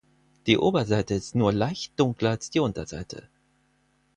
Die Oberseite ist nur leicht dunkler als die Unterseite.